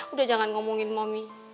udah jangan ngomongin mami